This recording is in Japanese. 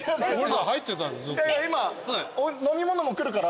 今飲み物も来るから。